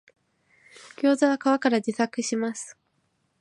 ギョウザは皮から自作します